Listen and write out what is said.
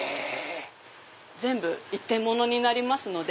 全部一点ものになりますので。